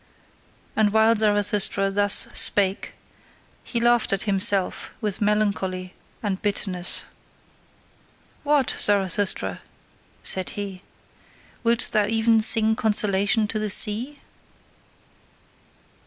And while Zarathustra thus spake, he laughed at himself with melancholy and bitterness. What! Zarathustra, said he, wilt thou even sing consolation to the sea?